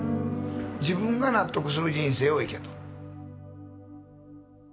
自分が納得する人生を行けと。